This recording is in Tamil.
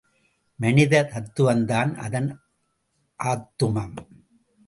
மனித தத்துவம்தான் அதன் ஆத்துமம்!